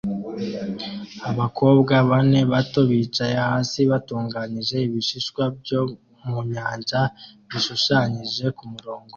Abakobwa bane bato bicaye hasi batunganya ibishishwa byo mu nyanja bishushanyije kumurongo